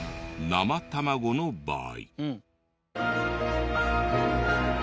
生卵の場合。